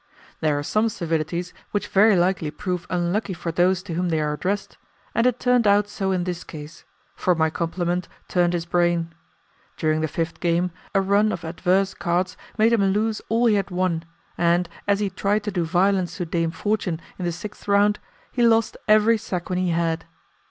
There are some civilities which very likely prove unlucky for those to whom they are addressed, and it turned out so in this case, for my compliment turned his brain. During the fifth game, a run of adverse cards made him lose all he had won, and as he tried to do violence to Dame Fortune in the sixth round, he lost every sequin he had.